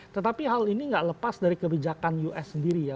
tetapi hal ini tidak lepas dari kebijakan us sendiri ya